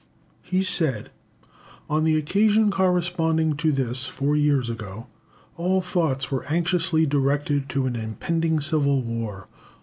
He said "On the occasion corresponding to this, four years ago, all thoughts were anxiously directed to an impending civil war.